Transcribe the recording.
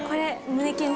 胸キュン。